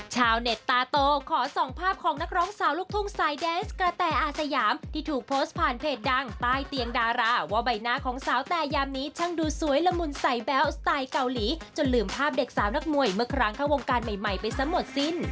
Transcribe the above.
ชาวเน็ตตาโตขอส่องภาพของนักร้องสาวลูกทุ่งสายแดนส์กระแต่อาสยามที่ถูกโพสต์ผ่านเพจดังใต้เตียงดาราว่าใบหน้าของสาวแต่ยามนี้ช่างดูสวยละมุนใส่แบ๊วสไตล์เกาหลีจนลืมภาพเด็กสาวนักมวยเมื่อครั้งเข้าวงการใหม่ไปซะหมดสิ้น